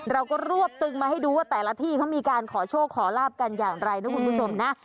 เราก็รวบตึงมาให้ดูว่าแต่ละที่เขามีการขอโชคขอลาบกันอย่างไรนะคุณผู้ชมนะ